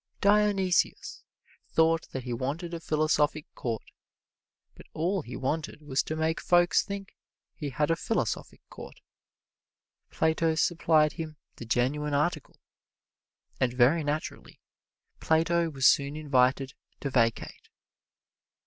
Dionysius thought that he wanted a philosophic court, but all he wanted was to make folks think he had a philosophic court. Plato supplied him the genuine article, and very naturally Plato was soon invited to vacate.